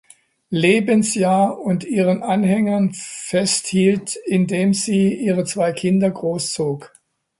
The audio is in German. Lebensjahr und ihren Anhängern festhielt in dem sie ihre zwei Kinder großzog.